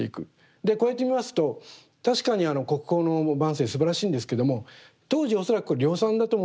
でこうやってみますと確かに国宝の「万声」すばらしいんですけども当時恐らくこれ量産だと思うんですね。